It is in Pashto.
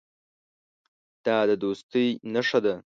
دا د دوستۍ نښه ده.